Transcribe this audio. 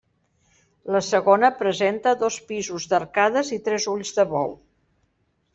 La segona presenta dos pisos d'arcades, i tres ulls de bou.